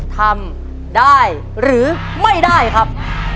ทำได้หรือไม่ได้ครับ